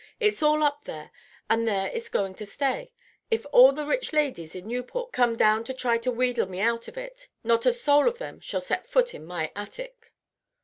It's all up there; and there it's going to stay, if all the rich ladies in Newport come down to try to wheedle me out of it. Not a soul of them shall set foot in my attic."